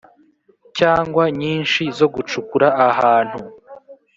cyangwa nyinshi zo gucukura ahantu